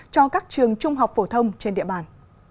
cho các trường trung học phổ thông trên địa bàn